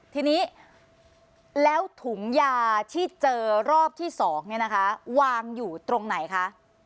ทีนี้แล้วถุงยาที่เจอรอบที่๒เนี่ยนะคะวางอยู่ตรงไหนคะ